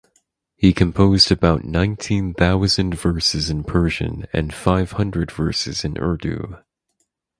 He composed about nineteen thousands verses in Persian and five hundred verses in Urdu.